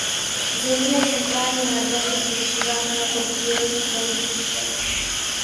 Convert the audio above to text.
V zimě je centrální nádvoří využíváno jako přírodní kluziště.